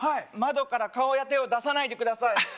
窓から顔や手を出さないでください